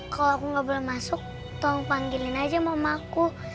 kalo aku gak boleh masuk tolong panggilin aja mamaku